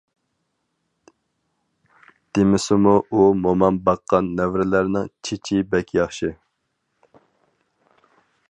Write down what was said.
دېمىسىمۇ ئۇ مومام باققان نەۋرىلەرنىڭ چېچى بەك ياخشى.